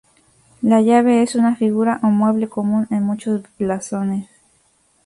La llave es una figura o mueble común en muchos blasones.